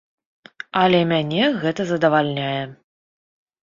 Але мяне гэта задавальняе.